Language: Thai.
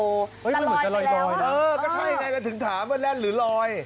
เฮ้ยมันเหมือนจะลอยไปแล้วเออก็ใช่ยังไงมันถึงถามว่าแล่นหรือลอย